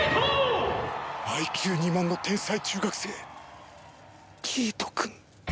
ＩＱ２万の天才中学生キイトくん！